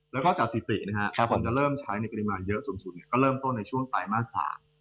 แล้วก็จากสิตินะครับคนจะเริ่มใช้ในกริมารเยอะสุดก็เริ่มต้นในช่วงไตม่า๓